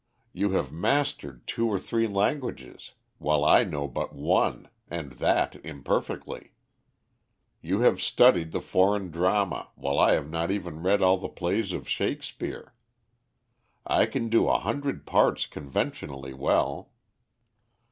You have mastered two or three languages, while I know but one, and that imperfectly. You have studied the foreign drama, while I have not even read all the plays of Shakespeare. I can do a hundred parts conventionally well.